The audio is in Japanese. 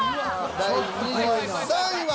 第２３位は。